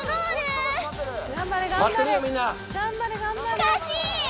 しかし